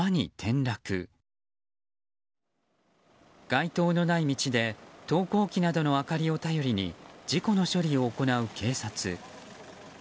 街灯のない道で投光機などの明かりを頼りに事故の処理を行う警察。